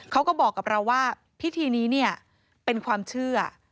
เขาก็บอกกับเราว่าพิธีนี้เนี่ยเป็นความเชื่อ